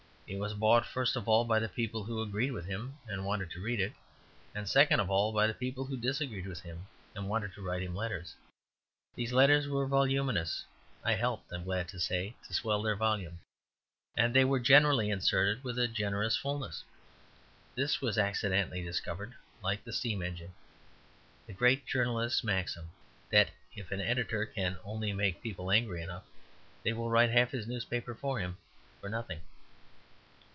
It was bought first, by all the people who agreed with him and wanted to read it; and secondly, by all the people who disagreed with him, and wanted to write him letters. Those letters were voluminous (I helped, I am glad to say, to swell their volume), and they were generally inserted with a generous fulness. Thus was accidentally discovered (like the steam engine) the great journalistic maxim that if an editor can only make people angry enough, they will write half his newspaper for him for nothing.